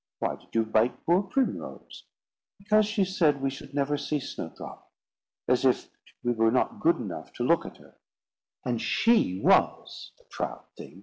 "Why did you bite poor Primrose?" "Because she said we should never see Snowdrop; as if we were not good enough to look at her, and she was, the proud thing!